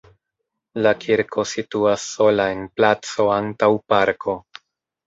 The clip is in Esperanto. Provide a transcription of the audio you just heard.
La kirko situas sola en placo antaŭ parko.